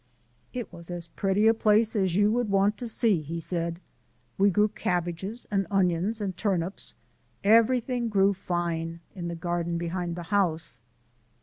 "It was as pretty a place as you would want to see," he said; "we grew cabbages and onions and turnips everything grew fine! in the garden behind the house."